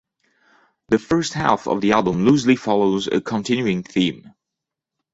The first half of the album loosely follows a continuing theme.